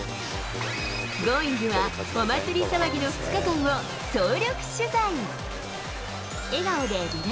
Ｇｏｉｎｇ！はお祭り騒ぎの２日間を総力取材。